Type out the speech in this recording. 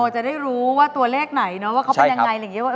จะได้รู้ว่าตัวเลขไหนว่าเขาเป็นยังไง